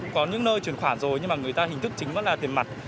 có những nơi chuyển khoản rồi nhưng mà người ta hình thức chính vẫn là tiền mặt